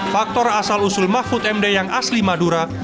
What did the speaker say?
faktor asal usul mahfud md yang asli madura